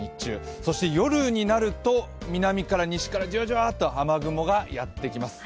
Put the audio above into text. そして夜になると南から西からじわじわと雨雲がやってきます。